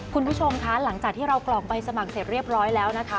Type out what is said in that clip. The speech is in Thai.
คุณผู้ชมคะหลังจากที่เรากล่องใบสมัครเสร็จเรียบร้อยแล้วนะคะ